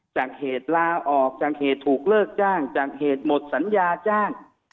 จังห์เขตล่าออกจังห์เขตถูกเลิกจ้างจังห์เขตหมดสัญญาจ้างค่ะ